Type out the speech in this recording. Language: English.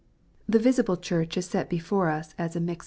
The visible Church is set before us as a mixed body.